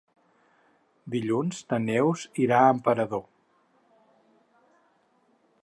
Dilluns na Neus irà a Emperador.